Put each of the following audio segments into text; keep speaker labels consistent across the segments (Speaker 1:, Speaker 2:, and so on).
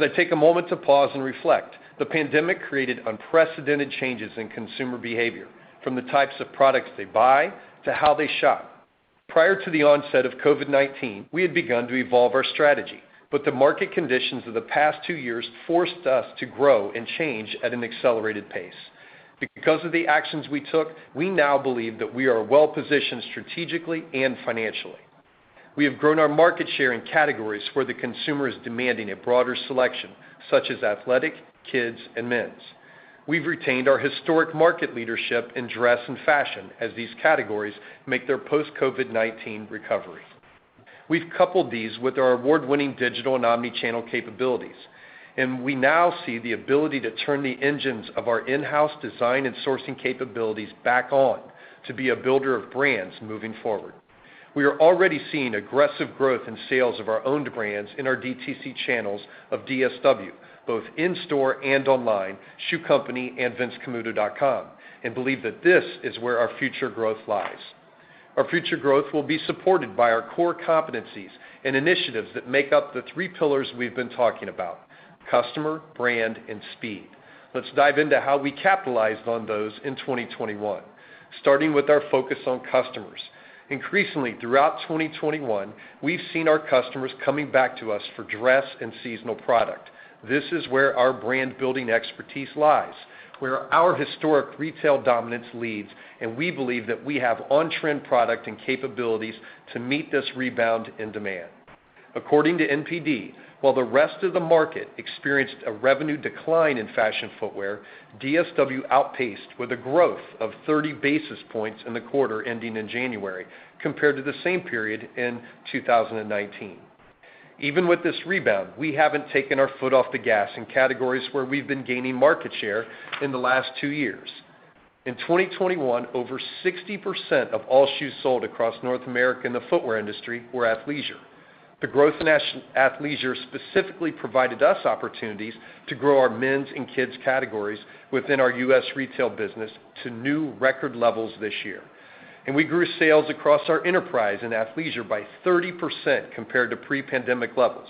Speaker 1: As I take a moment to pause and reflect, the pandemic created unprecedented changes in consumer behavior, from the types of products they buy to how they shop. Prior to the onset of COVID-19, we had begun to evolve our strategy, but the market conditions of the past two years forced us to grow and change at an accelerated pace. Because of the actions we took, we now believe that we are well-positioned strategically and financially. We have grown our market share in categories where the consumer is demanding a broader selection, such as athletic, kids, and men's. We've retained our historic market leadership in dress and fashion as these categories make their post-COVID-19 recovery. We've coupled these with our award-winning digital and omni-channel capabilities, and we now see the ability to turn the engines of our in-house design and sourcing capabilities back on to be a builder of brands moving forward. We are already seeing aggressive growth in sales of our owned brands in our DTC channels of DSW, both in-store and online, Shoe Company, and vincecamuto.com, and believe that this is where our future growth lies. Our future growth will be supported by our core competencies and initiatives that make up the three pillars we've been talking about, customer, brand, and speed. Let's dive into how we capitalized on those in 2021, starting with our focus on customers. Increasingly throughout 2021, we've seen our customers coming back to us for dress and seasonal product. This is where our brand-building expertise lies, where our historic retail dominance leads, and we believe that we have on-trend product and capabilities to meet this rebound in demand. According to NPD, while the rest of the market experienced a revenue decline in fashion footwear, DSW outpaced with a growth of 30 basis points in the quarter ending in January compared to the same period in 2019. Even with this rebound, we haven't taken our foot off the gas in categories where we've been gaining market share in the last two years. In 2021, over 60% of all shoes sold across North America in the footwear industry were athleisure. The growth in athleisure specifically provided us opportunities to grow our men's and kids' categories within our U.S. retail business to new record levels this year. We grew sales across our enterprise in athleisure by 30% compared to pre-pandemic levels.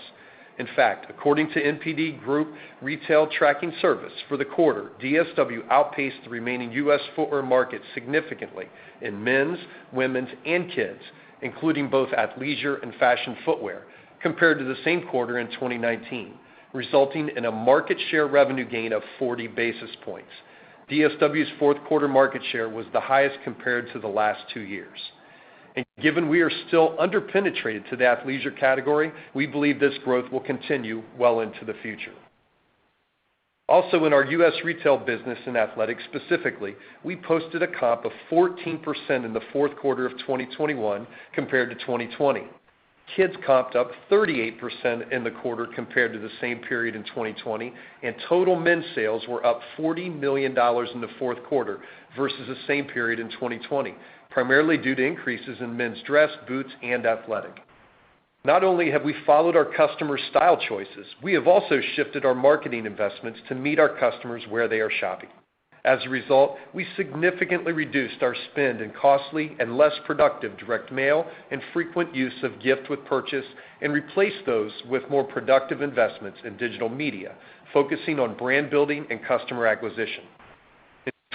Speaker 1: In fact, according to NPD Group Retail Tracking Service for the quarter, DSW outpaced the remaining U.S. footwear market significantly in men's, women's, and kids, including both athleisure and fashion footwear compared to the same quarter in 2019, resulting in a market share revenue gain of 40 basis points. DSW's fourth quarter market share was the highest compared to the last two years. Given we are still under-penetrated to the athleisure category, we believe this growth will continue well into the future. Also in our U.S. retail business in athletics specifically, we posted a comp of 14% in the fourth quarter of 2021 compared to 2020. Kids comped up 38% in the quarter compared to the same period in 2020, and total men's sales were up $40 million in the fourth quarter versus the same period in 2020, primarily due to increases in men's dress, boots, and athletic. Not only have we followed our customers' style choices, we have also shifted our marketing investments to meet our customers where they are shopping. As a result, we significantly reduced our spend in costly and less productive direct mail and frequent use of gift with purchase and replaced those with more productive investments in digital media, focusing on brand building and customer acquisition.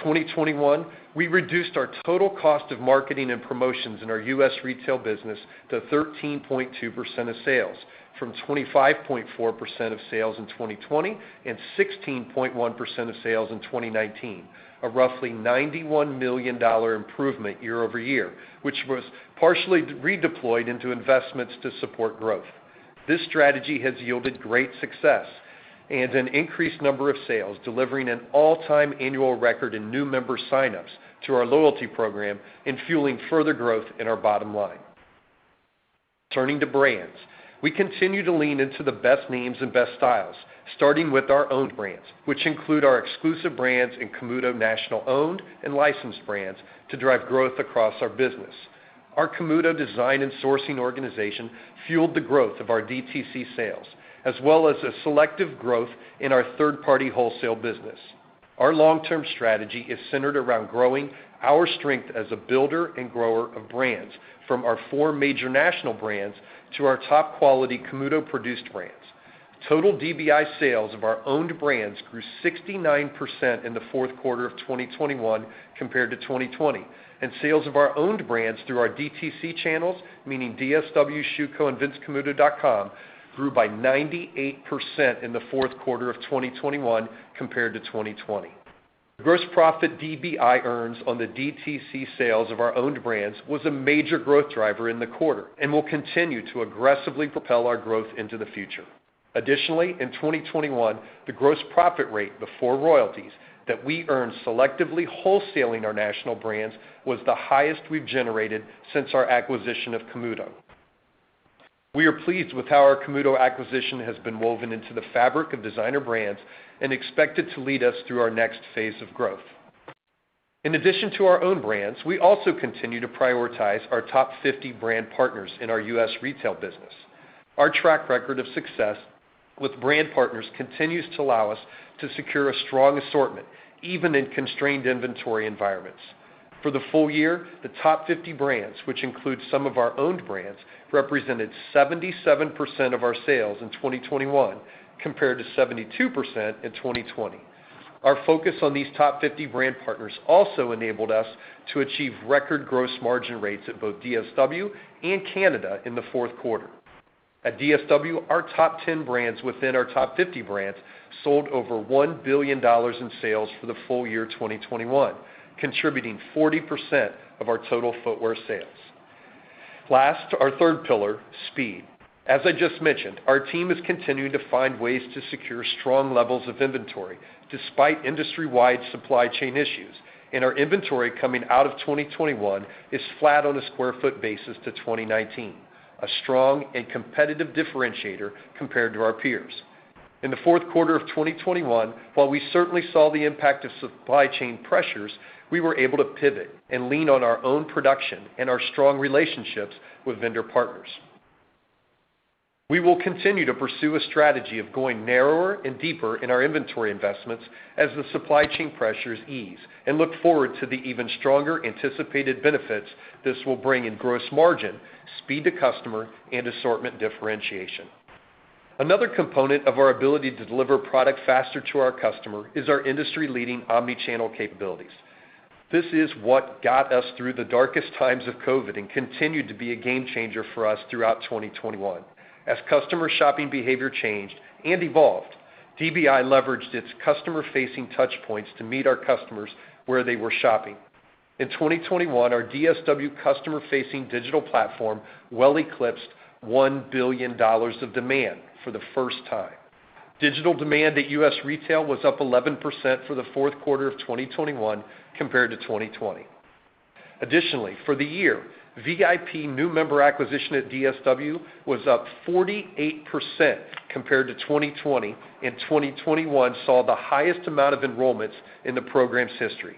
Speaker 1: In 2021, we reduced our total cost of marketing and promotions in our U.S. retail business to 13.2% of sales from 25.4% of sales in 2020 and 16.1% of sales in 2019, a roughly $91 million improvement year-over-year, which was partially redeployed into investments to support growth. This strategy has yielded great success and an increased number of sales, delivering an all-time annual record in new member sign-ups to our loyalty program and fueling further growth in our bottom line. Turning to brands, we continue to lean into the best names and best styles, starting with our own brands, which include our exclusive brands including Camuto, national, owned and licensed brands to drive growth across our business. Our Camuto design and sourcing organization fueled the growth of our DTC sales as well as a selective growth in our third-party wholesale business. Our long-term strategy is centered around growing our strength as a builder and grower of brands from our four major national brands to our top-quality Camuto-produced brands. Total DBI sales of our owned brands grew 69% in the fourth quarter of 2021 compared to 2020, and sales of our owned brands through our DTC channels, meaning DSW, Shoe Co, and vincecamuto.com, grew by 98% in the fourth quarter of 2021 compared to 2020. Gross profit DBI earns on the DTC sales of our owned brands was a major growth driver in the quarter and will continue to aggressively propel our growth into the future. Additionally, in 2021, the gross profit rate before royalties that we earned selectively wholesaling our national brands was the highest we've generated since our acquisition of Camuto. We are pleased with how our Camuto acquisition has been woven into the fabric of Designer Brands and expect it to lead us through our next phase of growth. In addition to our own brands, we also continue to prioritize our top 50 brand partners in our U.S. retail business. Our track record of success with brand partners continues to allow us to secure a strong assortment, even in constrained inventory environments. For the full year, the top 50 brands, which includes some of our own brands, represented 77% of our sales in 2021 compared to 72% in 2020. Our focus on these top 50 brand partners also enabled us to achieve record gross margin rates at both DSW and Canada in the fourth quarter. At DSW, our top 10 brands within our top 50 brands sold over $1 billion in sales for the full year 2021, contributing 40% of our total footwear sales. Last, our third pillar, speed. As I just mentioned, our team is continuing to find ways to secure strong levels of inventory despite industry-wide supply chain issues. Our inventory coming out of 2021 is flat on a sq ft basis to 2019. A strong and competitive differentiator compared to our peers. In the fourth quarter of 2021, while we certainly saw the impact of supply chain pressures, we were able to pivot and lean on our own production and our strong relationships with vendor partners. We will continue to pursue a strategy of going narrower and deeper in our inventory investments as the supply chain pressures ease, and look forward to the even stronger anticipated benefits this will bring in gross margin, speed to customer, and assortment differentiation. Another component of our ability to deliver product faster to our customer is our industry-leading omni-channel capabilities. This is what got us through the darkest times of COVID and continued to be a game changer for us throughout 2021. As customer shopping behavior changed and evolved, DBI leveraged its customer-facing touch points to meet our customers where they were shopping. In 2021, our DSW customer-facing digital platform well eclipsed $1 billion of demand for the first time. Digital demand at U.S. Retail was up 11% for the fourth quarter of 2021 compared to 2020. Additionally, for the year, VIP new member acquisition at DSW was up 48% compared to 2020, and 2021 saw the highest amount of enrollments in the program's history.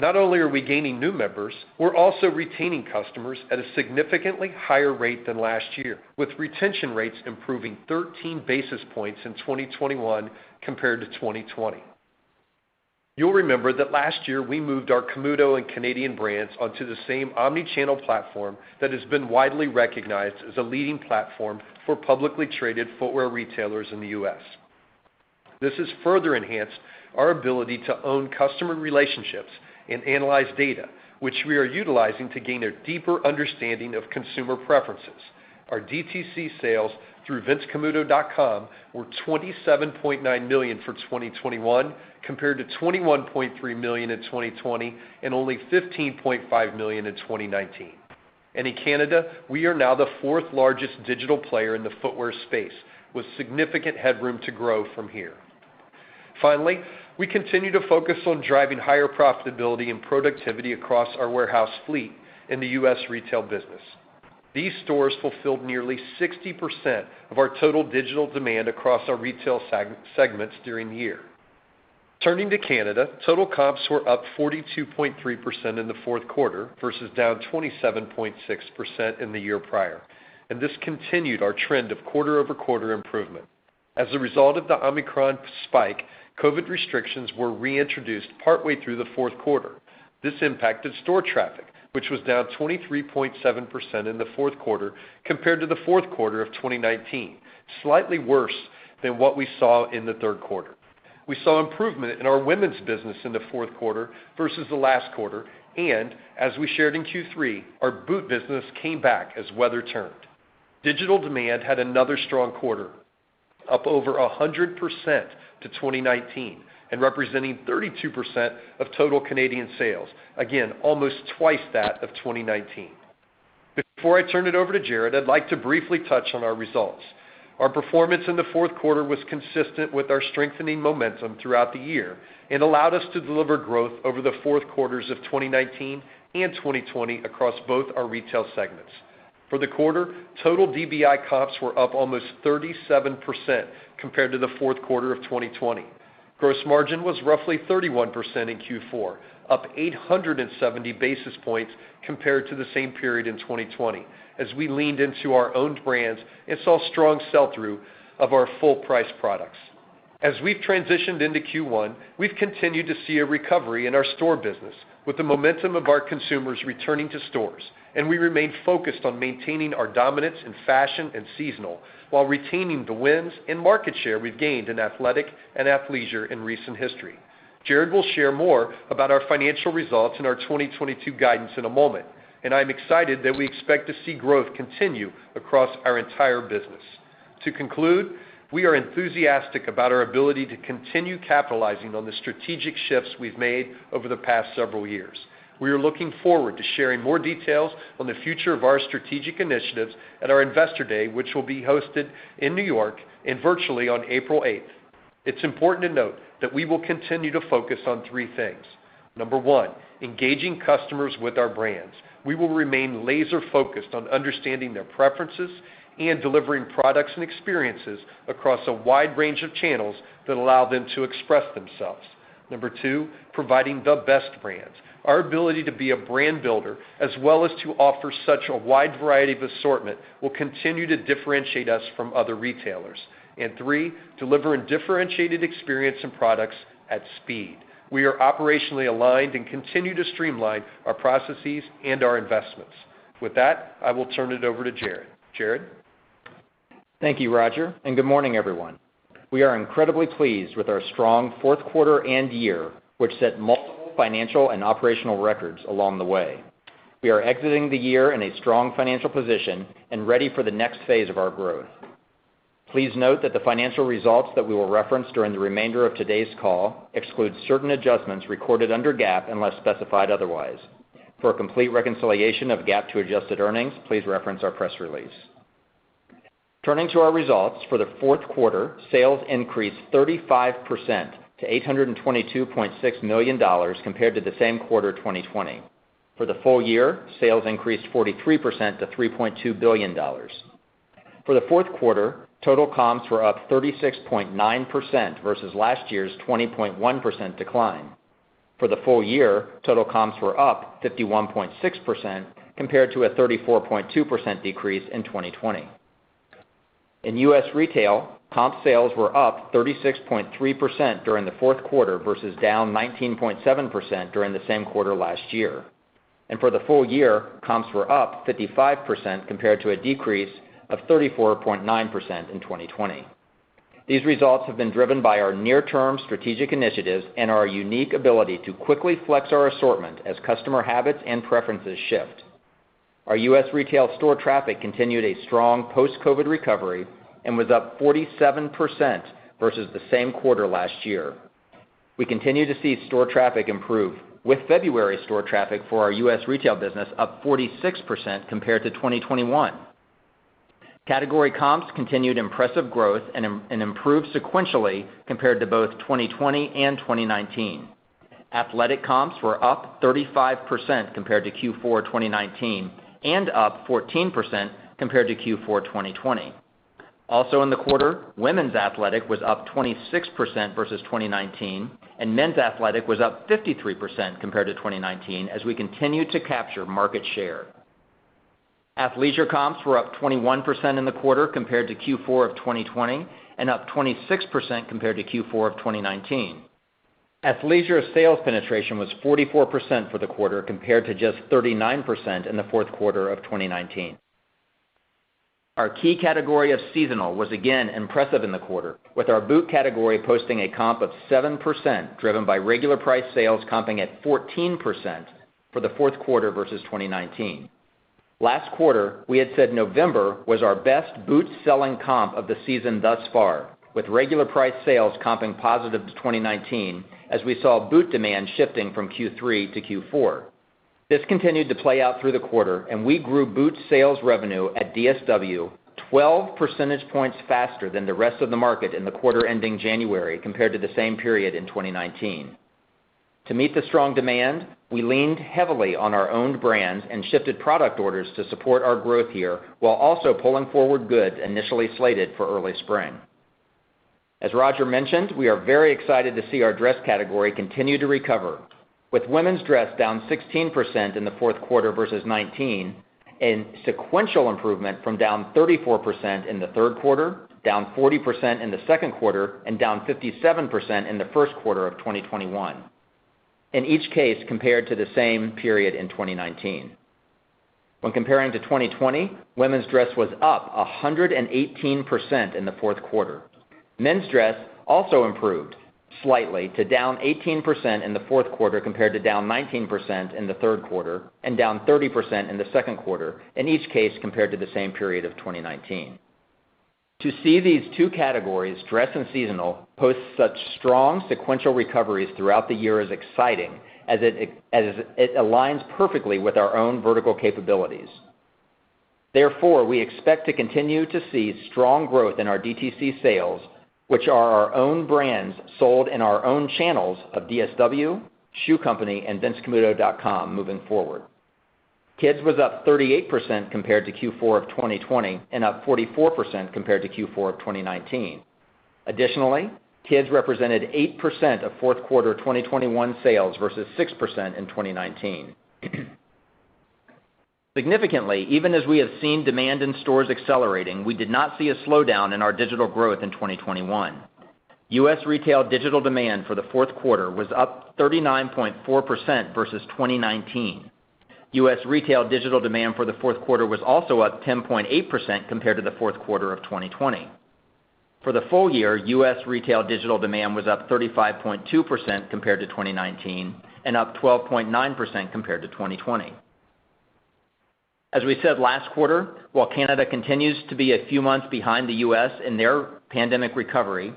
Speaker 1: Not only are we gaining new members, we're also retaining customers at a significantly higher rate than last year, with retention rates improving 13 basis points in 2021 compared to 2020. You'll remember that last year, we moved our Camuto and Canadian brands onto the same omni-channel platform that has been widely recognized as a leading platform for publicly traded footwear retailers in the U.S. This has further enhanced our ability to own customer relationships and analyze data, which we are utilizing to gain a deeper understanding of consumer preferences. Our DTC sales through vincecamuto.com were $27.9 million for 2021, compared to $21.3 million in 2020, and only $15.5 million in 2019. In Canada, we are now the fourth largest digital player in the footwear space, with significant headroom to grow from here. Finally, we continue to focus on driving higher profitability and productivity across our warehouse fleet in the U.S. retail business. These stores fulfilled nearly 60% of our total digital demand across our retail segments during the year. Turning to Canada, total comps were up 42.3% in the fourth quarter versus down 27.6% in the year prior. This continued our trend of quarter-over-quarter improvement. As a result of the Omicron spike, COVID restrictions were reintroduced partway through the fourth quarter. This impacted store traffic, which was down 23.7% in the fourth quarter compared to the fourth quarter of 2019, slightly worse than what we saw in the third quarter. We saw improvement in our women's business in the fourth quarter versus the last quarter, and as we shared in Q3, our boot business came back as weather turned. Digital demand had another strong quarter, up over 100% to 2019 and representing 32% of total Canadian sales. Again, almost twice that of 2019. Before I turn it over to Jared, I'd like to briefly touch on our results. Our performance in the fourth quarter was consistent with our strengthening momentum throughout the year and allowed us to deliver growth over the fourth quarters of 2019 and 2020 across both our retail segments. For the quarter, total DBI comps were up almost 37% compared to the fourth quarter of 2020. Gross margin was roughly 31% in Q4, up 870 basis points compared to the same period in 2020, as we leaned into our own brands and saw strong sell-through of our full price products. As we've transitioned into Q1, we've continued to see a recovery in our store business with the momentum of our consumers returning to stores, and we remain focused on maintaining our dominance in fashion and seasonal while retaining the wins and market share we've gained in athletic and athleisure in recent history. Jared will share more about our financial results and our 2022 guidance in a moment, and I'm excited that we expect to see growth continue across our entire business. To conclude, we are enthusiastic about our ability to continue capitalizing on the strategic shifts we've made over the past several years. We are looking forward to sharing more details on the future of our strategic initiatives at our Investor Day, which will be hosted in New York and virtually on April 8th. It's important to note that we will continue to focus on three things. Number one, engaging customers with our brands. We will remain laser-focused on understanding their preferences and delivering products and experiences across a wide range of channels that allow them to express themselves. Number two, providing the best brands. Our ability to be a brand builder as well as to offer such a wide variety of assortment will continue to differentiate us from other retailers. Three, deliver a differentiated experience and products at speed. We are operationally aligned and continue to streamline our processes and our investments. With that, I will turn it over to Jared. Jared?
Speaker 2: Thank you, Roger, and good morning, everyone. We are incredibly pleased with our strong fourth quarter and year, which set multiple financial and operational records along the way. We are exiting the year in a strong financial position and ready for the next phase of our growth. Please note that the financial results that we will reference during the remainder of today's call exclude certain adjustments recorded under GAAP unless specified otherwise. For a complete reconciliation of GAAP to adjusted earnings, please reference our press release. Turning to our results, for the fourth quarter, sales increased 35% to $822.6 million compared to the same quarter 2020. For the full year, sales increased 43% to $3.2 billion. For the fourth quarter, total comps were up 36.9% versus last year's 20.1% decline. For the full year, total comps were up 51.6% compared to a 34.2% decrease in 2020. In U.S. retail, comp sales were up 36.3% during the fourth quarter versus down 19.7% during the same quarter last year. For the full year, comps were up 55% compared to a decrease of 34.9% in 2020. These results have been driven by our near-term strategic initiatives and our unique ability to quickly flex our assortment as customer habits and preferences shift. Our U.S. retail store traffic continued a strong post-COVID recovery and was up 47% versus the same quarter last year. We continue to see store traffic improve, with February store traffic for our U.S. retail business up 46% compared to 2021. Category comps continued impressive growth and improved sequentially compared to both 2020 and 2019. Athletic comps were up 35% compared to Q4 2019 and up 14% compared to Q4 2020. Also in the quarter, women's athletic was up 26% versus 2019, and men's athletic was up 53% compared to 2019 as we continued to capture market share. Athleisure comps were up 21% in the quarter compared to Q4 of 2020 and up 26% compared to Q4 of 2019. Athleisure sales penetration was 44% for the quarter compared to just 39% in the fourth quarter of 2019. Our key category of seasonal was again impressive in the quarter, with our boot category posting a comp of 7%, driven by regular price sales comping at 14% for the fourth quarter versus 2019. Last quarter, we had said November was our best boot-selling comp of the season thus far, with regular price sales comping positive to 2019 as we saw boot demand shifting from Q3 to Q4. This continued to play out through the quarter, and we grew boot sales revenue at DSW 12 percentage points faster than the rest of the market in the quarter ending January compared to the same period in 2019. To meet the strong demand, we leaned heavily on our own brands and shifted product orders to support our growth here while also pulling forward goods initially slated for early spring. As Roger mentioned, we are very excited to see our dress category continue to recover, with women's dress down 16% in the fourth quarter versus 19% and sequential improvement from down 34% in the third quarter, down 40% in the second quarter, and down 57% in the first quarter of 2021, in each case compared to the same period in 2019. When comparing to 2020, women's dress was up 118% in the fourth quarter. Men's dress also improved slightly to down 18% in the fourth quarter compared to down 19% in the third quarter and down 30% in the second quarter, in each case compared to the same period of 2019. To see these two categories, dress and seasonal, post such strong sequential recoveries throughout the year is exciting as it aligns perfectly with our own vertical capabilities. Therefore, we expect to continue to see strong growth in our DTC sales, which are our own brands sold in our own channels of DSW, Shoe Company, and vincecamuto.com moving forward. Kids was up 38% compared to Q4 of 2020 and up 44% compared to Q4 of 2019. Additionally, kids represented 8% of fourth quarter 2021 sales versus 6% in 2019. Significantly, even as we have seen demand in stores accelerating, we did not see a slowdown in our digital growth in 2021. U.S. retail digital demand for the fourth quarter was up 39.4% versus 2019. U.S. Retail digital demand for the fourth quarter was also up 10.8% compared to the fourth quarter of 2020. For the full year, U.S. retail digital demand was up 35.2% compared to 2019 and up 12.9% compared to 2020. As we said last quarter, while Canada continues to be a few months behind the U.S. in their pandemic recovery,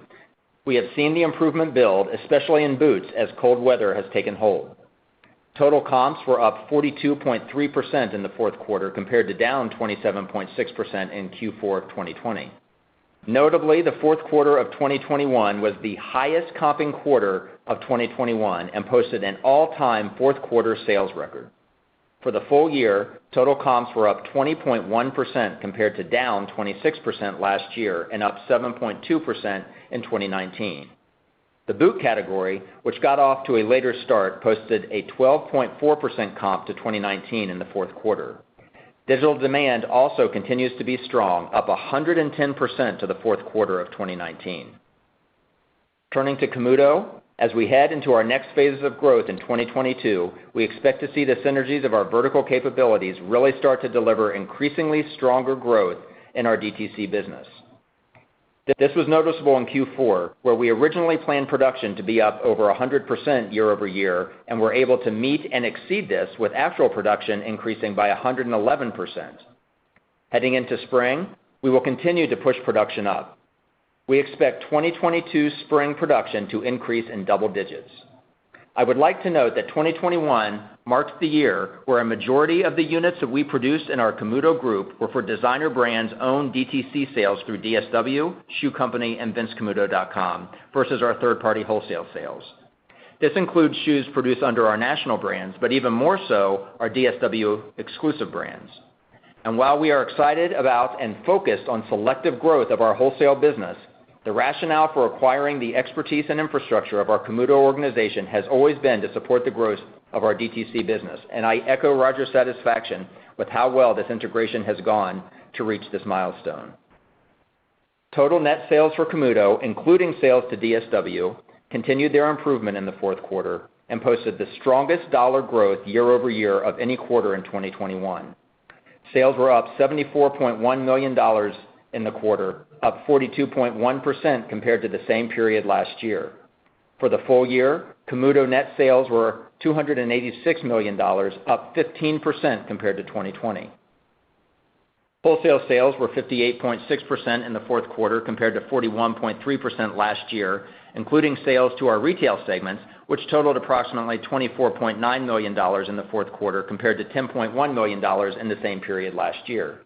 Speaker 2: we have seen the improvement build, especially in boots, as cold weather has taken hold. Total comps were up 42.3% in the fourth quarter compared to down 27.6% in Q4 2020. Notably, the fourth quarter of 2021 was the highest comping quarter of 2021 and posted an all-time fourth quarter sales record. For the full year, total comps were up 20.1% compared to down 26% last year and up 7.2% in 2019. The boot category, which got off to a later start, posted a 12.4% comp to 2019 in the fourth quarter. Digital demand also continues to be strong, up 110% to the fourth quarter of 2019. Turning to Camuto, as we head into our next phases of growth in 2022, we expect to see the synergies of our vertical capabilities really start to deliver increasingly stronger growth in our DTC business. This was noticeable in Q4, where we originally planned production to be up over 100% year over year, and we're able to meet and exceed this with actual production increasing by 111%. Heading into spring, we will continue to push production up. We expect 2022 spring production to increase in double digits. I would like to note that 2021 marks the year where a majority of the units that we produced in our Camuto Group were for Designer Brands' own DTC sales through DSW, Shoe Company, and vincecamuto.com, versus our third-party wholesale sales. This includes shoes produced under our national brands, but even more so our DSW exclusive brands. While we are excited about and focused on selective growth of our wholesale business, the rationale for acquiring the expertise and infrastructure of our Camuto organization has always been to support the growth of our DTC business, and I echo Roger's satisfaction with how well this integration has gone to reach this milestone. Total net sales for Camuto, including sales to DSW, continued their improvement in the fourth quarter and posted the strongest dollar growth year-over-year of any quarter in 2021. Sales were up $74.1 million in the quarter, up 42.1% compared to the same period last year. For the full year, Camuto net sales were $286 million, up 15% compared to 2020. Wholesale sales were 58.6% in the fourth quarter compared to 41.3% last year, including sales to our retail segments, which totaled approximately $24.9 million in the fourth quarter compared to $10.1 million in the same period last year.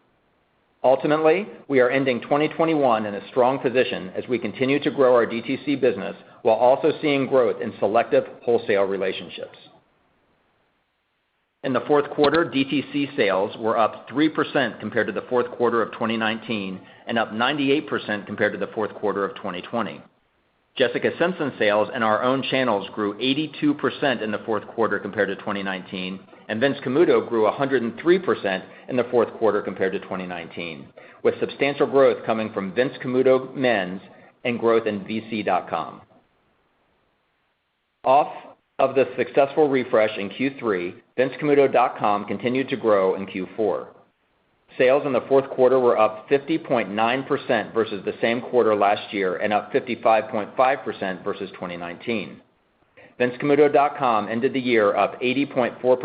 Speaker 2: Ultimately, we are ending 2021 in a strong position as we continue to grow our DTC business while also seeing growth in selective wholesale relationships. In the fourth quarter, DTC sales were up 3% compared to the fourth quarter of 2019 and up 98% compared to the fourth quarter of 2020. Jessica Simpson sales in our own channels grew 82% in the fourth quarter compared to 2019, and Vince Camuto grew 103% in the fourth quarter compared to 2019, with substantial growth coming from Vince Camuto men's and growth in vc.com. Off of the successful refresh in Q3, vincecamuto.com continued to grow in Q4. Sales in the fourth quarter were up 50.9% versus the same quarter last year and up 55.5% versus 2019. vincecamuto.com ended the year up 80.4% for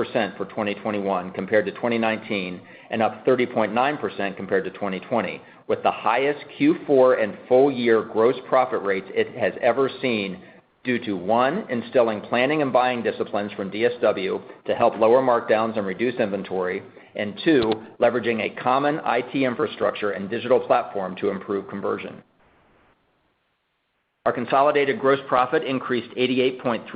Speaker 2: 2021 compared to 2019 and up 30.9% compared to 2020, with the highest Q4 and full year gross profit rates it has ever seen due to, one, instilling planning and buying disciplines from DSW to help lower markdowns and reduce inventory, and two, leveraging a common IT infrastructure and digital platform to improve conversion. Our consolidated gross profit increased 88.3%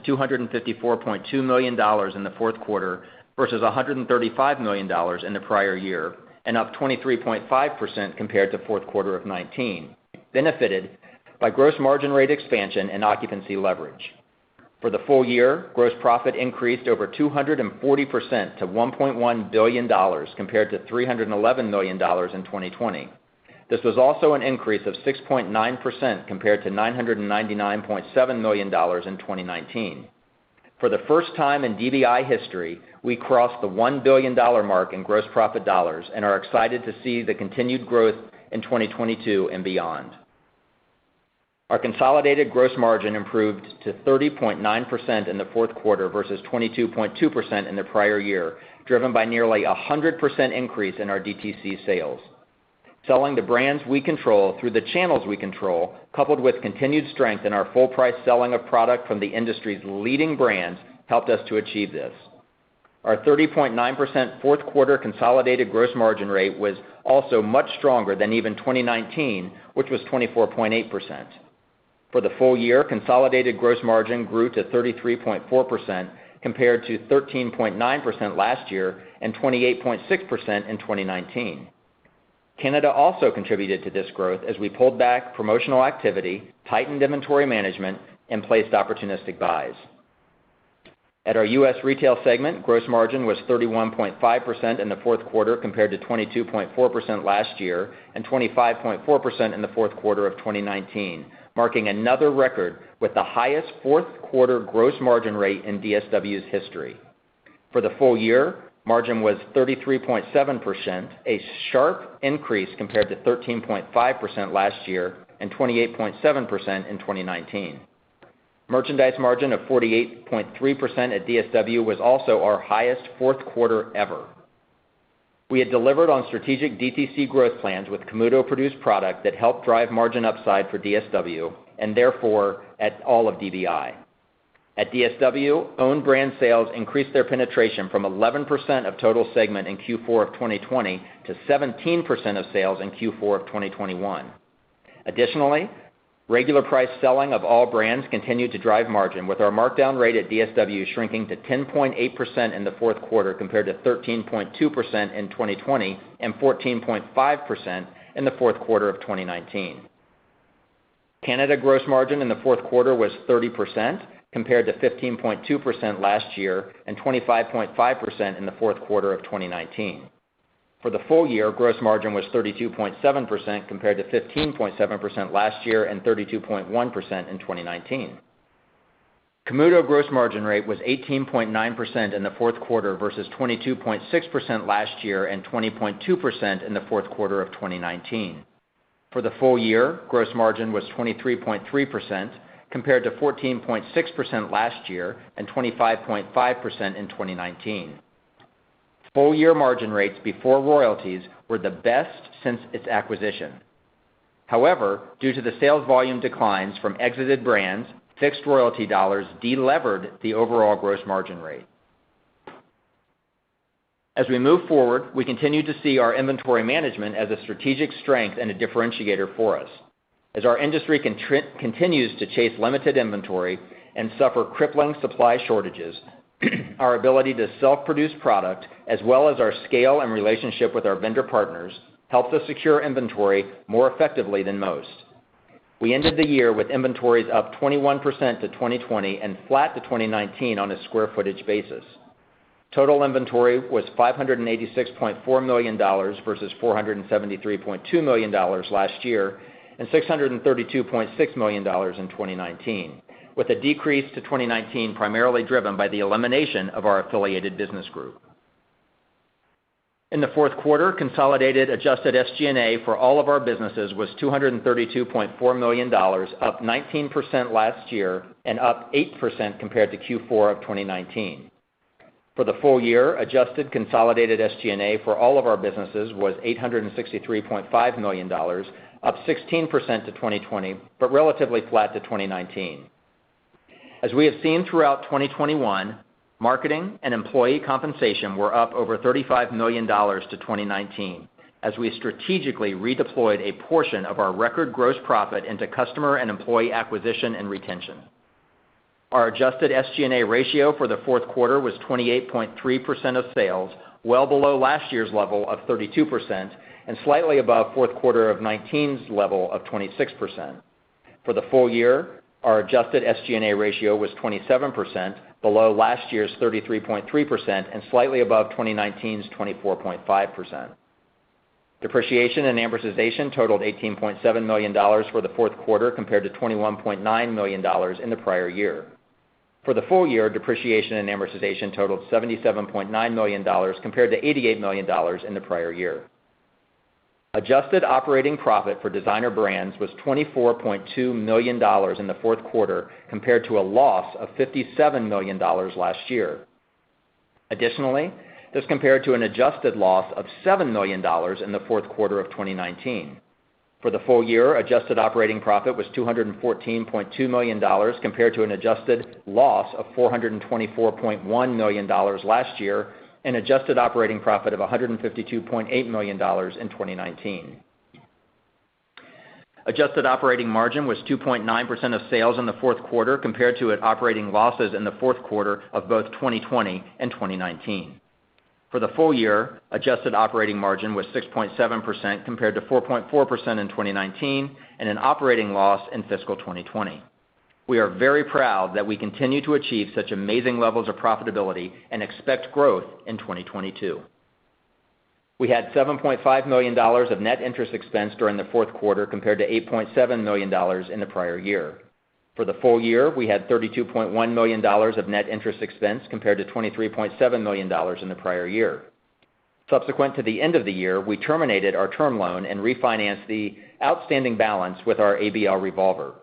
Speaker 2: to $254.2 million in the fourth quarter versus $135 million in the prior year, and up 23.5% compared to fourth quarter of 2019, benefited by gross margin rate expansion and occupancy leverage. For the full year, gross profit increased over 240% to $1.1 billion compared to $311 million in 2020. This was also an increase of 6.9% compared to $999.7 million in 2019. For the first time in DBI history, we crossed the $1 billion mark in gross profit dollars and are excited to see the continued growth in 2022 and beyond. Our consolidated gross margin improved to 30.9% in the fourth quarter versus 22.2% in the prior year, driven by nearly a 100% increase in our DTC sales. Selling the brands we control through the channels we control, coupled with continued strength in our full price selling of product from the industry's leading brands, helped us to achieve this. Our 30.9% fourth quarter consolidated gross margin rate was also much stronger than even 2019, which was 24.8%. For the full year, consolidated gross margin grew to 33.4% compared to 13.9% last year and 28.6% in 2019. Canada also contributed to this growth as we pulled back promotional activity, tightened inventory management, and placed opportunistic buys. At our U.S. retail segment, gross margin was 31.5% in the fourth quarter compared to 22.4% last year and 25.4% in the fourth quarter of 2019, marking another record with the highest fourth quarter gross margin rate in DSW's history. For the full year, margin was 33.7%, a sharp increase compared to 13.5% last year and 28.7% in 2019. Merchandise margin of 48.3% at DSW was also our highest fourth quarter ever. We had delivered on strategic DTC growth plans with Camuto-produced product that helped drive margin upside for DSW and therefore at all of DBI. At DSW, owned brand sales increased their penetration from 11% of total segment in Q4 of 2020 to 17% of sales in Q4 of 2021. Additionally, regular price selling of all brands continued to drive margin, with our markdown rate at DSW shrinking to 10.8% in the fourth quarter compared to 13.2% in 2020 and 14.5% in the fourth quarter of 2019. Canada gross margin in the fourth quarter was 30% compared to 15.2% last year and 25.5% in the fourth quarter of 2019. For the full year, gross margin was 32.7% compared to 15.7% last year and 32.1% in 2019. Camuto gross margin rate was 18.9% in the fourth quarter versus 22.6% last year and 20.2% in the fourth quarter of 2019. For the full year, gross margin was 23.3% compared to 14.6% last year and 25.5% in 2019. Full year margin rates before royalties were the best since its acquisition. However, due to the sales volume declines from exited brands, fixed royalty dollars delevered the overall gross margin rate. As we move forward, we continue to see our inventory management as a strategic strength and a differentiator for us. As our industry continues to chase limited inventory and suffer crippling supply shortages, our ability to self-produce product as well as our scale and relationship with our vendor partners helps us secure inventory more effectively than most. We ended the year with inventories up 21% to 2020 and flat to 2019 on a square footage basis. Total inventory was $586.4 million versus $473.2 million last year and $632.6 million in 2019, with a decrease to 2019 primarily driven by the elimination of our Affiliated Business Group. In the fourth quarter, consolidated adjusted SG&A for all of our businesses was $232.4 million, up 19% last year and up 8% compared to Q4 of 2019. For the full year, adjusted consolidated SG&A for all of our businesses was $863.5 million, up 16% to 2020, but relatively flat to 2019. As we have seen throughout 2021, marketing and employee compensation were up over $35 million to 2019 as we strategically redeployed a portion of our record gross profit into customer and employee acquisition and retention. Our adjusted SG&A ratio for the fourth quarter was 28.3% of sales, well below last year's level of 32% and slightly above fourth quarter of 2019's level of 26%. For the full year, our adjusted SG&A ratio was 27%, below last year's 33.3% and slightly above 2019's 24.5%. Depreciation and amortization totaled $18.7 million for the fourth quarter compared to $21.9 million in the prior year. For the full year, depreciation and amortization totaled $77.9 million compared to $88 million in the prior year. Adjusted operating profit for Designer Brands was $24.2 million in the fourth quarter compared to a loss of $57 million last year. Additionally, this compared to an adjusted loss of $7 million in the fourth quarter of 2019. For the full year, adjusted operating profit was $214.2 million compared to an adjusted loss of $424.1 million last year and adjusted operating profit of $152.8 million in 2019. Adjusted operating margin was 2.9% of sales in the fourth quarter compared to operating losses in the fourth quarter of both 2020 and 2019. For the full year, adjusted operating margin was 6.7% compared to 4.4% in 2019 and an operating loss in fiscal 2020. We are very proud that we continue to achieve such amazing levels of profitability and expect growth in 2022. We had $7.5 million of net interest expense during the fourth quarter compared to $8.7 million in the prior year. For the full year, we had $32.1 million of net interest expense compared to $23.7 million in the prior year. Subsequent to the end of the year, we terminated our term loan and refinanced the outstanding balance with our ABL revolver.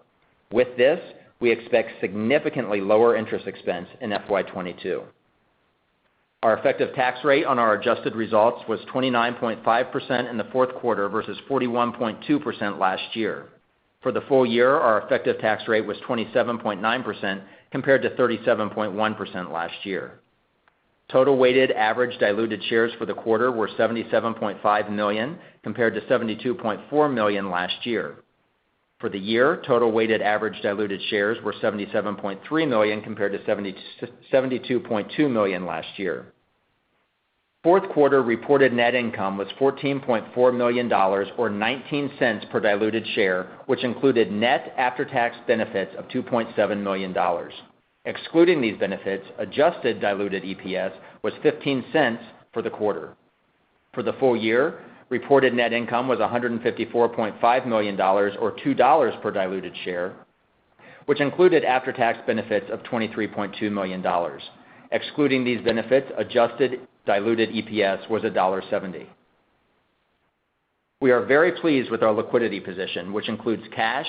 Speaker 2: With this, we expect significantly lower interest expense in FY 2022. Our effective tax rate on our adjusted results was 29.5% in the fourth quarter versus 41.2% last year. For the full year, our effective tax rate was 27.9% compared to 37.1% last year. Total weighted average diluted shares for the quarter were 77.5 million compared to 72.4 million last year. For the year, total weighted average diluted shares were 77.3 million compared to 72.2 million last year. Fourth quarter reported net income was $14.4 million or $0.19 per diluted share, which included net after-tax benefits of $2.7 million. Excluding these benefits, adjusted diluted EPS was $0.15 for the quarter. For the full year, reported net income was $154.5 million or $2 per diluted share, which included after-tax benefits of $23.2 million. Excluding these benefits, adjusted diluted EPS was $1.70. We are very pleased with our liquidity position, which includes cash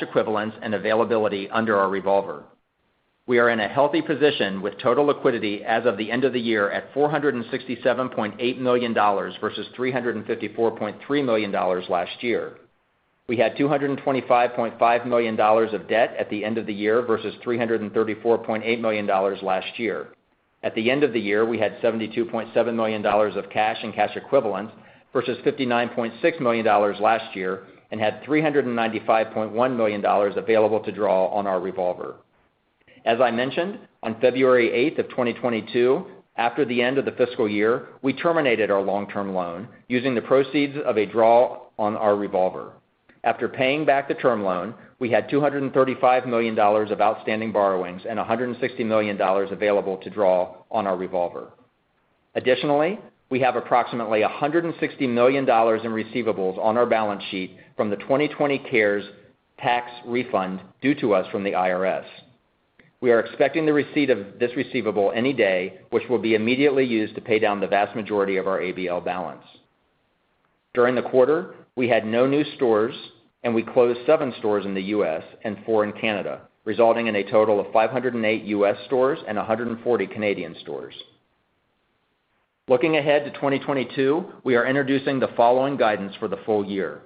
Speaker 2: equivalents, and availability under our revolver. We are in a healthy position with total liquidity as of the end of the year at $467.8 million versus $354.3 million last year. We had $225.5 million of debt at the end of the year versus $334.8 million last year. At the end of the year, we had $72.7 million of cash and cash equivalents versus $59.6 million last year, and had $395.1 million available to draw on our revolver. As I mentioned, on February 8th of 2022, after the end of the fiscal year, we terminated our long-term loan using the proceeds of a draw on our revolver. After paying back the term loan, we had $235 million of outstanding borrowings and $160 million available to draw on our revolver. Additionally, we have approximately $160 million in receivables on our balance sheet from the 2020 CARES tax refund due to us from the IRS. We are expecting the receipt of this receivable any day, which will be immediately used to pay down the vast majority of our ABL balance. During the quarter, we had no new stores, and we closed seven stores in the U.S. and four in Canada, resulting in a total of 508 U.S. stores and 140 Canadian stores. Looking ahead to 2022, we are introducing the following guidance for the full year.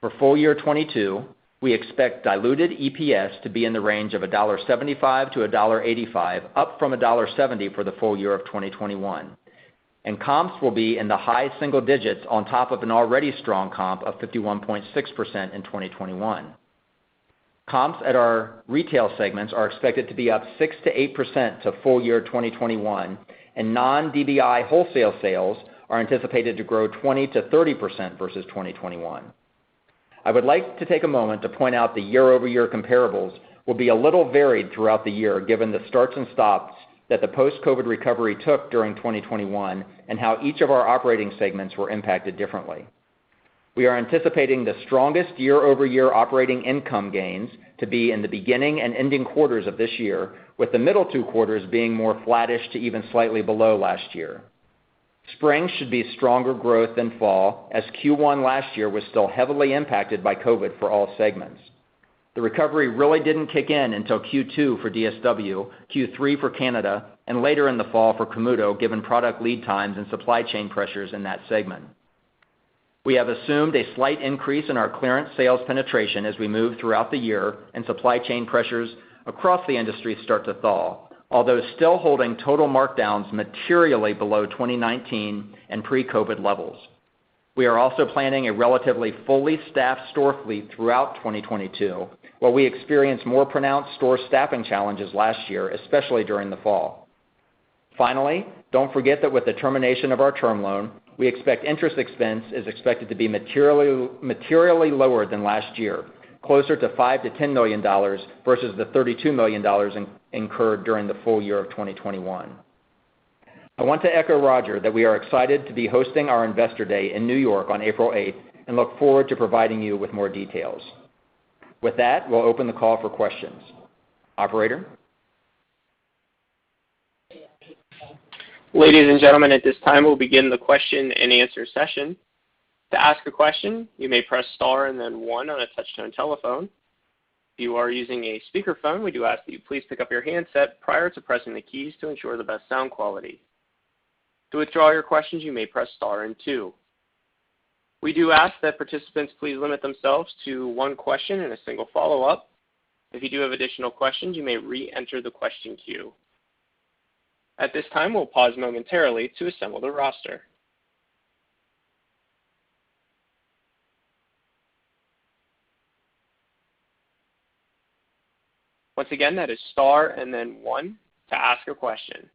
Speaker 2: For full year 2022, we expect diluted EPS to be in the range of $1.75-$1.85, up from $1.70 for the full year of 2021. Comps will be in the high single digits on top of an already strong comp of 51.6% in 2021. Comps at our retail segments are expected to be up 6%-8% to full year 2021, and non-DBI wholesale sales are anticipated to grow 20%-30% versus 2021. I would like to take a moment to point out the year-over-year comparables will be a little varied throughout the year, given the starts and stops that the post-COVID recovery took during 2021 and how each of our operating segments were impacted differently. We are anticipating the strongest year-over-year operating income gains to be in the beginning and ending quarters of this year, with the middle two quarters being more flattish to even slightly below last year. Spring should be stronger growth than fall, as Q1 last year was still heavily impacted by COVID for all segments. The recovery really didn't kick in until Q2 for DSW, Q3 for Canada, and later in the fall for Camuto, given product lead times and supply chain pressures in that segment. We have assumed a slight increase in our clearance sales penetration as we move throughout the year and supply chain pressures across the industry start to thaw, although still holding total markdowns materially below 2019 and pre-COVID-19 levels. We are also planning a relatively fully staffed store fleet throughout 2022, where we experienced more pronounced store staffing challenges last year, especially during the fall. Finally, don't forget that with the termination of our term loan, we expect interest expense is expected to be materially lower than last year, closer to $5 million-$10 million versus the $32 million incurred during the full year of 2021. I want to echo Roger that we are excited to be hosting our Investor Day in New York on April eighth and look forward to providing you with more details. With that, we'll open the call for questions. Operator?
Speaker 3: Ladies and gentlemen, at this time, we'll begin the question-and-answer session. To ask a question, you may press star and then one on a touch-tone telephone. If you are using a speakerphone, we do ask that you please pick up your handset prior to pressing the keys to ensure the best sound quality. To withdraw your questions, you may press star and two. We do ask that participants please limit themselves to one question and a single follow-up. If you do have additional questions, you may re-enter the question queue. At this time, we'll pause momentarily to assemble the roster. Once again, that is star and then one to ask a question.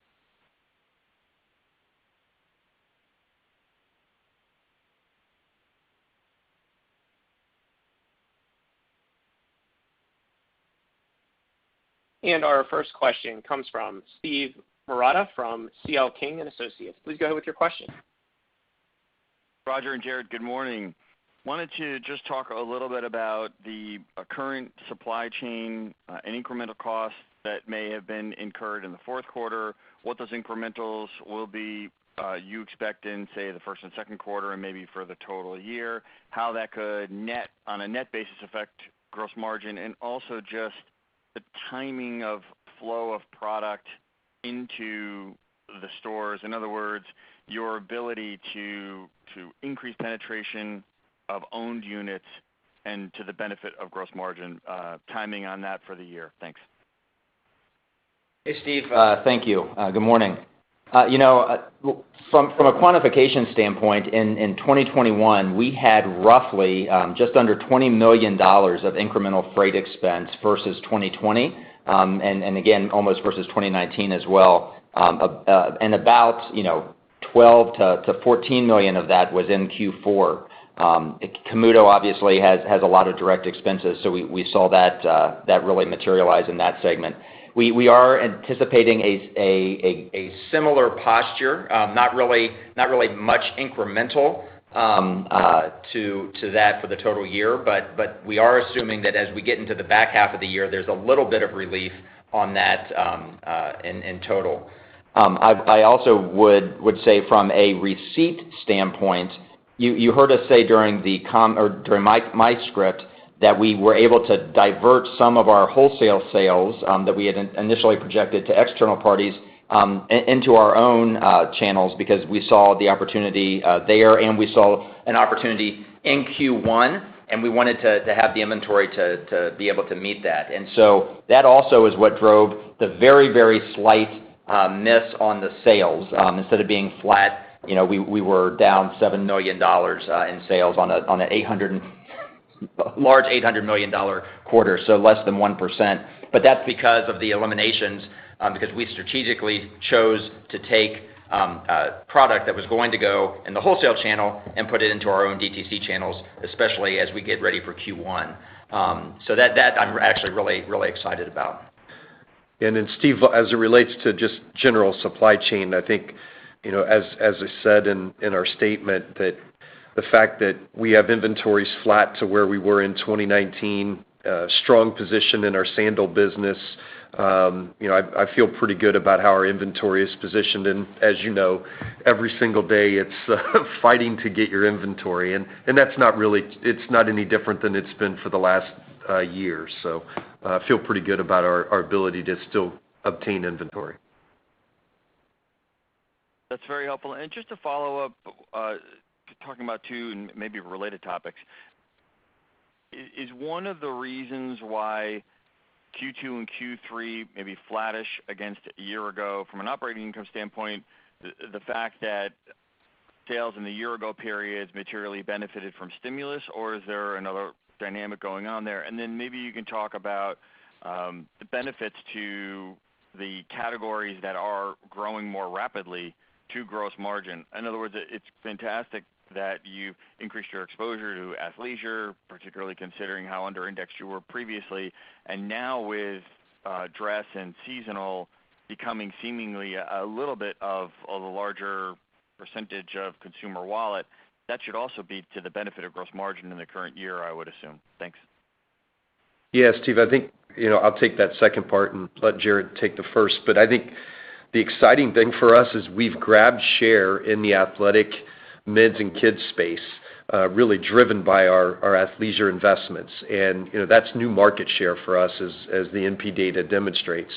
Speaker 3: Our first question comes from Steve Marotta from C.L. King & Associates. Please go ahead with your question.
Speaker 4: Roger and Jared, good morning. Wanted to just talk a little bit about the current supply chain and incremental costs that may have been incurred in the fourth quarter, what those incrementals will be you expect in, say, the first and second quarter and maybe for the total year, how that could on a net basis affect gross margin, and also just the timing of flow of product into the stores. In other words, your ability to increase penetration of owned units and to the benefit of gross margin, timing on that for the year. Thanks.
Speaker 2: Hey, Steve. Thank you. Good morning. You know, from a quantification standpoint, in 2021, we had roughly just under $20 million of incremental freight expense versus 2020, and again, almost versus 2019 as well. And about, you know, $12 million-$14 million of that was in Q4. Camuto obviously has a lot of direct expenses, so we saw that really materialize in that segment. We are anticipating a similar posture, not really much incremental to that for the total year. We are assuming that as we get into the back half of the year, there's a little bit of relief on that in total. I also would say from a receipts standpoint, you heard us say during my script that we were able to divert some of our wholesale sales that we had initially projected to external parties into our own channels because we saw the opportunity there, and we saw an opportunity in Q1, and we wanted to have the inventory to be able to meet that. That also is what drove the very slight miss on the sales. Instead of being flat, you know, we were down $7 million in sales on a large $800 million quarter, so less than 1%. That's because of the eliminations, because we strategically chose to take product that was going to go in the wholesale channel and put it into our own DTC channels, especially as we get ready for Q1. That I'm actually really excited about.
Speaker 1: Steve, as it relates to just general supply chain, I think, you know, as I said in our statement that the fact that we have inventories flat to where we were in 2019, strong position in our sandal business, you know, I feel pretty good about how our inventory is positioned. As you know, every single day, it's fighting to get our inventory and that's not any different than it's been for the last year. I feel pretty good about our ability to still obtain inventory.
Speaker 4: That's very helpful. Just to follow up, talking about two and maybe related topics. Is one of the reasons why Q2 and Q3 may be flattish against a year ago from an operating income standpoint, the fact that sales in the year-ago period materially benefited from stimulus, or is there another dynamic going on there? Then maybe you can talk about the benefits to the categories that are growing more rapidly to gross margin. In other words, it's fantastic that you've increased your exposure to athleisure, particularly considering how under indexed you were previously. Now with dress and seasonal becoming seemingly a little bit of a larger percentage of consumer wallet, that should also be to the benefit of gross margin in the current year, I would assume. Thanks.
Speaker 1: Yeah, Steve, I think, you know, I'll take that second part and let Jared take the first. I think the exciting thing for us is we've grabbed share in the athletic mids and kids space, really driven by our athleisure investments. You know, that's new market share for us as the NPD data demonstrates.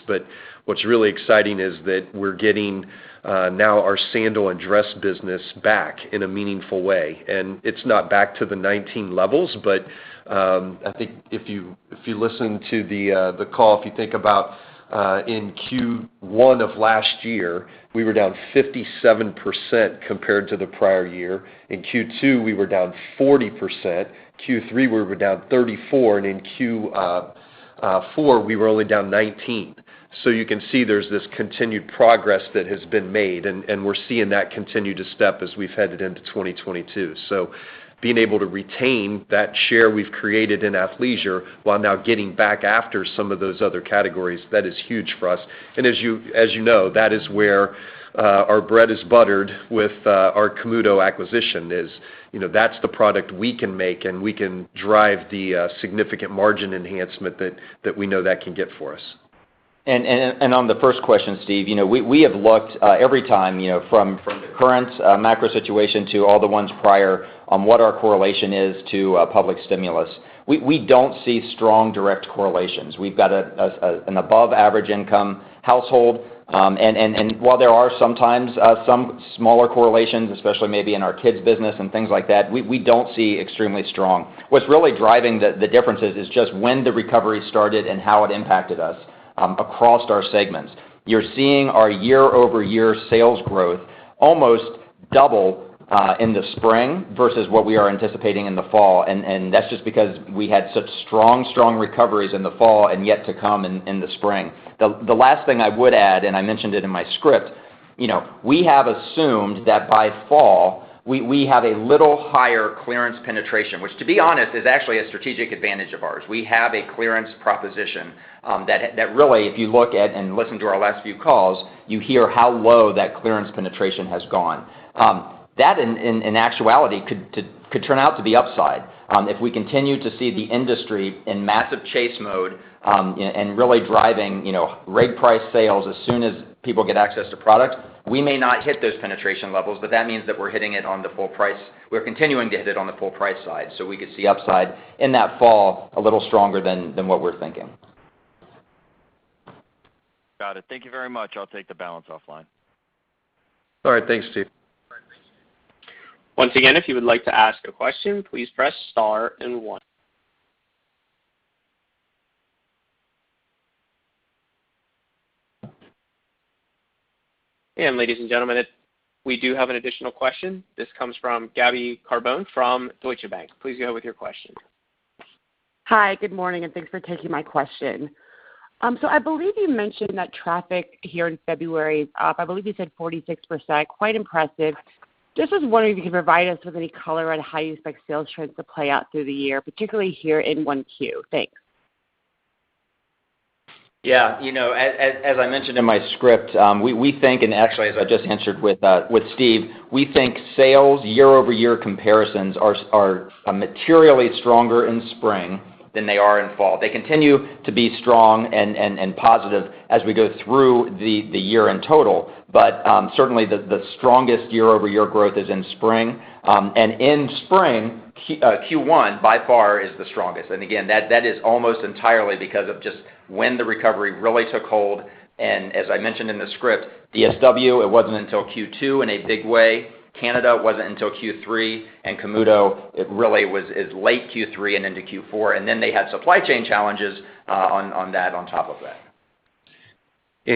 Speaker 1: What's really exciting is that we're getting now our sandal and dress business back in a meaningful way. It's not back to the 2019 levels, but I think if you listen to the call, if you think about in Q1 of last year, we were down 57% compared to the prior year. In Q2, we were down 40%. Q3, we were down 34%, and in Q4, we were only down 19%. You can see there's this continued progress that has been made, and we're seeing that continue to step up as we've headed into 2022. Being able to retain that share we've created in athleisure while now getting back after some of those other categories, that is huge for us. As you know, that is where our bread is buttered with our Camuto acquisition is. You know, that's the product we can make, and we can drive the significant margin enhancement that we know that can get for us.
Speaker 2: On the first question, Steve, you know, we have looked every time, you know, from the current macro situation to all the ones prior on what our correlation is to public stimulus. We don't see strong direct correlations. We've got an above average income household. While there are sometimes some smaller correlations, especially maybe in our kids business and things like that, we don't see extremely strong. What's really driving the differences is just when the recovery started and how it impacted us across our segments. You're seeing our year-over-year sales growth almost double in the spring versus what we are anticipating in the fall, and that's just because we had such strong recoveries in the fall and yet to come in the spring. The last thing I would add, I mentioned it in my script, you know, we have assumed that by fall, we have a little higher clearance penetration, which, to be honest, is actually a strategic advantage of ours. We have a clearance proposition that really, if you look at and listen to our last few calls, you hear how low that clearance penetration has gone. That in actuality could turn out to be upside. If we continue to see the industry in massive chase mode and really driving, you know, full price sales as soon as people get access to product, we may not hit those penetration levels, but that means that we're hitting it on the full price. We're continuing to hit it on the full price side, so we could see upside in that fall a little stronger than what we're thinking.
Speaker 4: Got it. Thank you very much. I'll take the balance offline.
Speaker 1: All right. Thanks, Steve.
Speaker 3: Once again, if you would like to ask a question, please press star and one. Ladies and gentlemen, we do have an additional question. This comes from Gabby Carbone from Deutsche Bank. Please go with your question.
Speaker 5: Hi, good morning, and thanks for taking my question. I believe you mentioned that traffic here in February is up. I believe you said 46%, quite impressive. I just was wondering if you could provide us with any color on how you expect sales trends to play out through the year, particularly here in 1Q. Thanks.
Speaker 2: Yeah. You know, as I mentioned in my script, we think and actually, as I just answered with Steve, we think sales year-over-year comparisons are materially stronger in spring than they are in fall. They continue to be strong and positive as we go through the year in total. Certainly the strongest year-over-year growth is in spring. In spring, Q1 by far is the strongest. Again, that is almost entirely because of just when the recovery really took hold, and as I mentioned in the script, DSW, it wasn't until Q2 in a big way. Canada wasn't until Q3, and Camuto, it really is late Q3 and into Q4. Then they had supply chain challenges on that on top of that.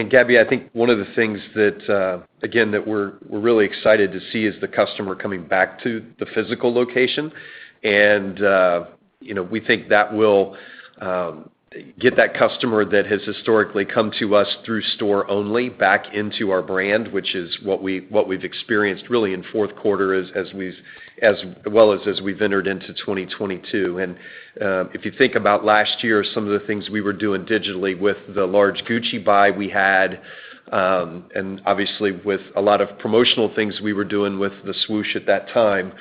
Speaker 1: Gabby, I think one of the things that, again, that we're really excited to see is the customer coming back to the physical location. We think that will get that customer that has historically come to us through store only back into our brand, which is what we've experienced really in fourth quarter as well as we've entered into 2022. If you think about last year, some of the things we were doing digitally with the large Gucci buy we had, and obviously with a lot of promotional things we were doing with the Swoosh at that time,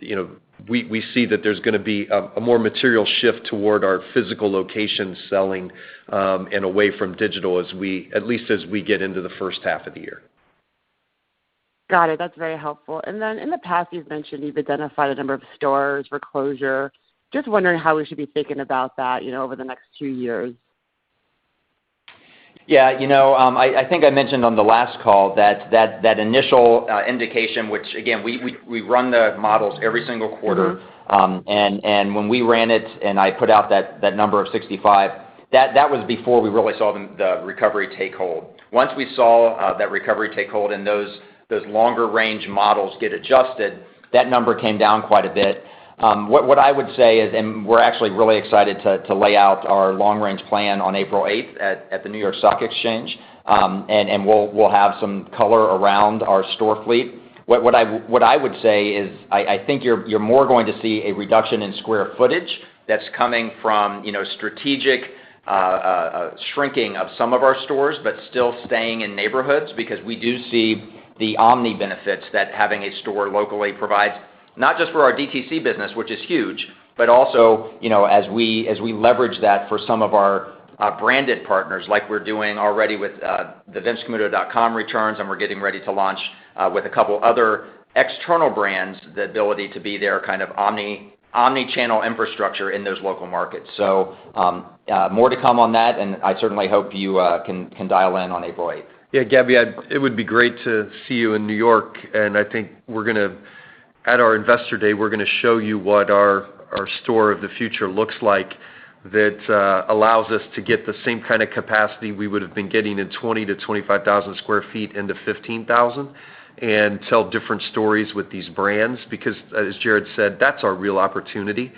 Speaker 1: you know, we see that there's gonna be a more material shift toward our physical location selling, and away from digital as we get into the first half of the year.
Speaker 5: Got it. That's very helpful. In the past, you've mentioned you've identified a number of stores for closure. Just wondering how we should be thinking about that, you know, over the next two years.
Speaker 2: Yeah. You know, I think I mentioned on the last call that initial indication, which again, we run the models every single quarter.
Speaker 5: Mm-hmm.
Speaker 2: When we ran it and I put out that number of 65, that was before we really saw the recovery take hold. Once we saw that recovery take hold and those longer range models get adjusted, that number came down quite a bit. What I would say is, we're actually really excited to lay out our long range plan on April 8 at the New York Stock Exchange, and we'll have some color around our store fleet. What I would say is, I think you're more going to see a reduction in square footage that's coming from, you know, strategic shrinking of some of our stores, but still staying in neighborhoods because we do see the omni benefits that having a store locally provides, not just for our DTC business, which is huge, but also, you know, as we leverage that for some of our branded partners like we're doing already with the vincecamuto.com returns and we're getting ready to launch with a couple other external brands, the ability to be their kind of omni-channel infrastructure in those local markets. More to come on that, and I certainly hope you can dial in on April 8th.
Speaker 1: Yeah, Gabby, it would be great to see you in New York, and I think at our Investor Day, we're gonna show you what our store of the future looks like that allows us to get the same kind of capacity we would've been getting in 20,000-25,000 sq ft into 15,000 and tell different stories with these brands. Because as Jared said, that's our real opportunity.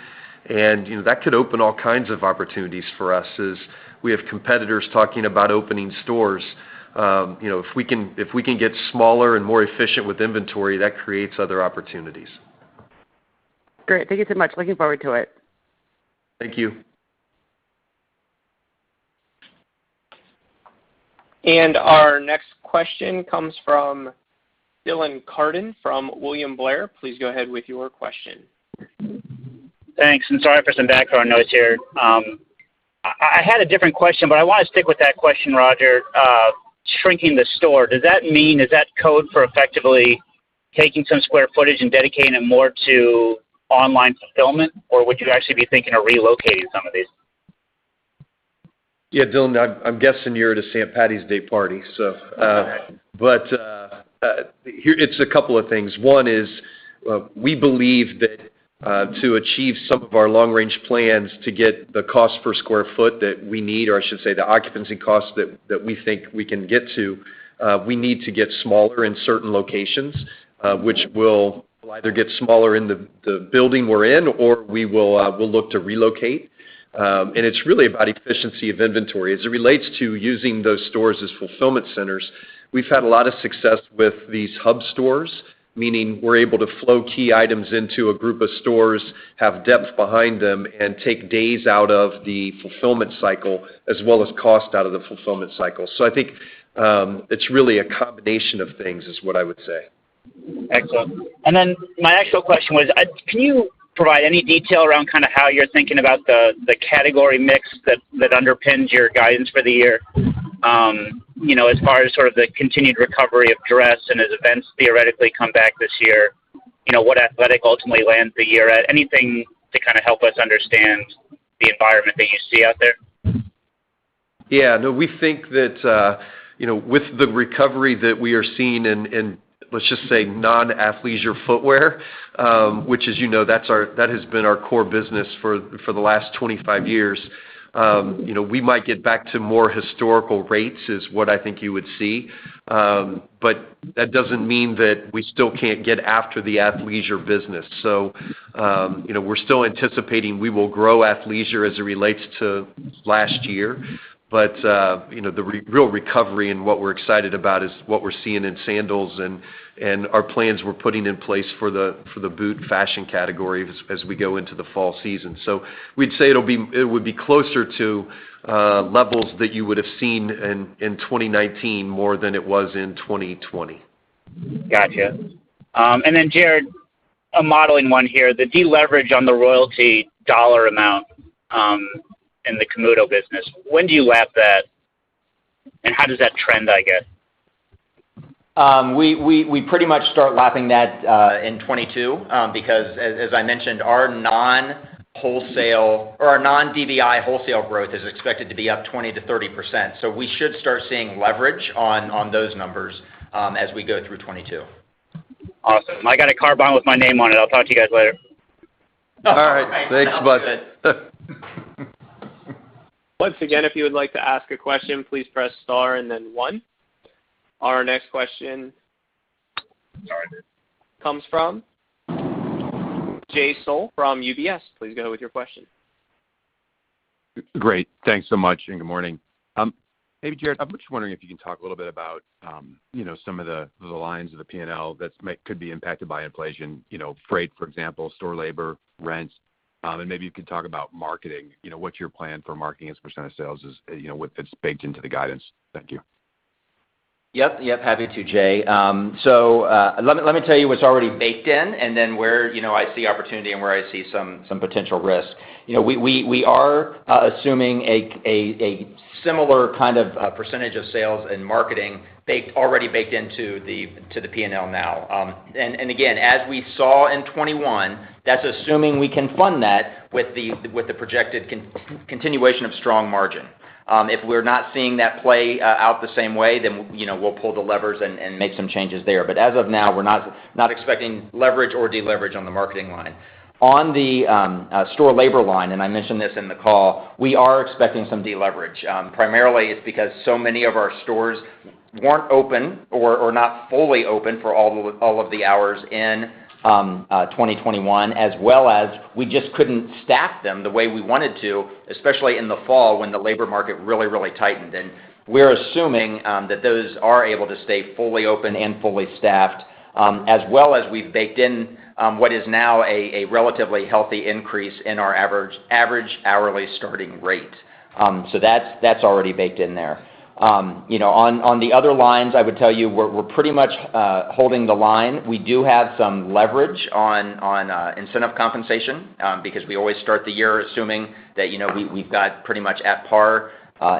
Speaker 1: You know, that could open all kinds of opportunities for us as we have competitors talking about opening stores. You know, if we can get smaller and more efficient with inventory, that creates other opportunities.
Speaker 5: Great. Thank you so much. Looking forward to it.
Speaker 1: Thank you.
Speaker 3: Our next question comes from Dylan Carden from William Blair. Please go ahead with your question.
Speaker 6: Thanks, and sorry for some background noise here. I had a different question, but I wanna stick with that question, Roger. Shrinking the store, does that mean, is that code for effectively taking some square footage and dedicating it more to online fulfillment, or would you actually be thinking of relocating some of these?
Speaker 1: Yeah. Dylan, I'm guessing you're at a St. Patrick's Day party, so. Here it's a couple of things. One is, we believe that to achieve some of our long range plans to get the cost per square foot that we need, or I should say the occupancy cost that we think we can get to, we need to get smaller in certain locations, which we'll either get smaller in the building we're in, or we'll look to relocate. And it's really about efficiency of inventory. As it relates to using those stores as fulfillment centers, we've had a lot of success with these hub stores, meaning we're able to flow key items into a group of stores, have depth behind them, and take days out of the fulfillment cycle, as well as cost out of the fulfillment cycle. I think, it's really a combination of things is what I would say.
Speaker 6: Excellent. My actual question was, can you provide any detail around kind of how you're thinking about the category mix that underpins your guidance for the year? You know, as far as sort of the continued recovery of dress and as events theoretically come back this year, you know, what athletic ultimately lands the year at? Anything to kinda help us understand the environment that you see out there?
Speaker 1: Yeah. No, we think that, you know, with the recovery that we are seeing in, let's just say non-athleisure footwear, which as you know that has been our core business for the last 25 years, you know, we might get back to more historical rates is what I think you would see. That doesn't mean that we still can't get after the athleisure business. You know, we're still anticipating we will grow athleisure as it relates to last year. You know, the real recovery and what we're excited about is what we're seeing in sandals and our plans we're putting in place for the boot fashion category as we go into the fall season. We'd say it would be closer to levels that you would have seen in 2019 more than it was in 2020.
Speaker 6: Gotcha. Jared, a modeling one here, the deleverage on the royalty dollar amount in the Camuto business, when do you lap that, and how does that trend, I guess?
Speaker 2: We pretty much start lapping that in 2022 because as I mentioned, our non-wholesale or our non-DBI wholesale growth is expected to be up 20%-30%. We should start seeing leverage on those numbers as we go through 2022.
Speaker 6: Awesome. I got a corporate bond with my name on it. I'll talk to you guys later.
Speaker 1: All right. Thanks, bud.
Speaker 3: Once again, if you'll like to ask a question please press star and one. Our next question comes from Jay Sole from UBS. Please go with your question.
Speaker 7: Great. Thanks so much, and good morning. Maybe, Jared, I'm just wondering if you can talk a little bit about, you know, some of the lines of the P&L that could be impacted by inflation, you know, freight, for example, store labor, rents. Maybe you could talk about marketing. You know, what's your plan for marketing as a % of sales, you know, that's baked into the guidance. Thank you.
Speaker 2: Yep. Yep. Happy to, Jay. Let me tell you what's already baked in and then where, you know, I see opportunity and where I see some potential risk. You know, we are assuming a similar kind of percentage of sales and marketing already baked into the P&L now. Again, as we saw in 2021, that's assuming we can fund that with the projected continuation of strong margin. If we're not seeing that play out the same way, then, you know, we'll pull the levers and make some changes there. As of now, we're not expecting leverage or deleverage on the marketing line. On the store labor line, and I mentioned this in the call, we are expecting some deleverage. Primarily it's because so many of our stores weren't open or not fully open for all of the hours in 2021, as well as we just couldn't staff them the way we wanted to, especially in the fall when the labor market really tightened. We're assuming that those are able to stay fully open and fully staffed, as well as we've baked in what is now a relatively healthy increase in our average hourly starting rate. That's already baked in there. You know, on the other lines, I would tell you we're pretty much holding the line. We do have some leverage on incentive compensation, because we always start the year assuming that, you know, we've got pretty much at par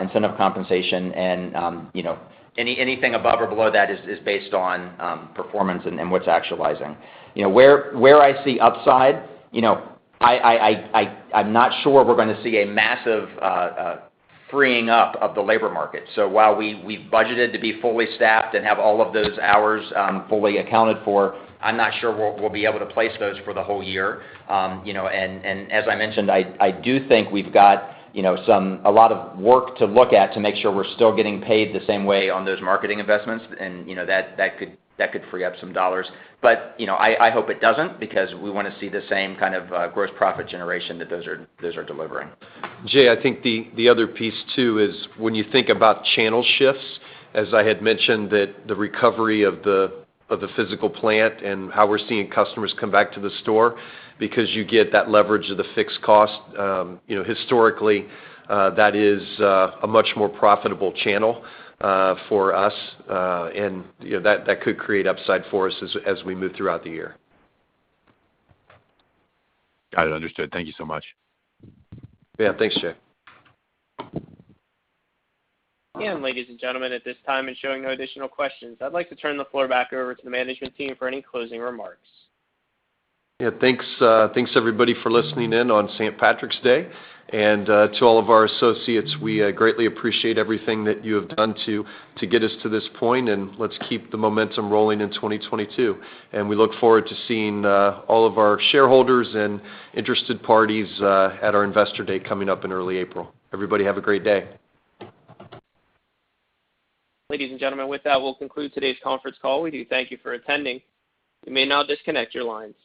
Speaker 2: incentive compensation and, you know, anything above or below that is based on performance and what's actualizing. You know, where I see upside, you know, I'm not sure we're gonna see a massive freeing up of the labor market. While we've budgeted to be fully staffed and have all of those hours fully accounted for, I'm not sure we'll be able to place those for the whole year. You know, as I mentioned, I do think we've got, you know, a lot of work to look at to make sure we're still getting paid the same way on those marketing investments and, you know, that could free up some dollars. You know, I hope it doesn't because we wanna see the same kind of gross profit generation that those are delivering.
Speaker 1: Jay, I think the other piece too is when you think about channel shifts, as I had mentioned that the recovery of the physical plant and how we're seeing customers come back to the store because you get that leverage of the fixed cost, you know, historically, that is a much more profitable channel for us. You know, that could create upside for us as we move throughout the year.
Speaker 7: Got it. Understood. Thank you so much.
Speaker 1: Yeah. Thanks, Jay.
Speaker 3: Ladies and gentlemen, at this time, it's showing no additional questions. I'd like to turn the floor back over to the management team for any closing remarks.
Speaker 1: Yeah. Thanks, everybody, for listening in on St. Patrick's Day. To all of our associates, we greatly appreciate everything that you have done to get us to this point, and let's keep the momentum rolling in 2022. We look forward to seeing all of our shareholders and interested parties at our Investor Day coming up in early April. Everybody have a great day.
Speaker 3: Ladies and gentlemen, with that, we'll conclude today's conference call. We do thank you for attending. You may now disconnect your lines.